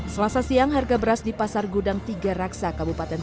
selasa siang harga beras di pasar gudang tiga raksa kabupaten